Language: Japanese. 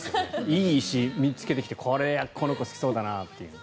いい石、見つけてきてこの石、好きそうだなって。